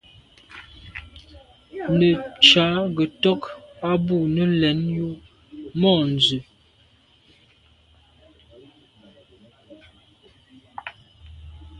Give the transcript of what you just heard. Nə̀ cà gə tɔ́k á bû nə̀ lɛ̌n yù môndzə̀.